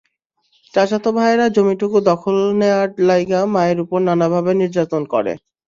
চাচাতো ভাইয়েরা জমিটুকু দখল নেওয়ার লাইগা মায়ের ওপর নানাভাবে নির্যাতন করে।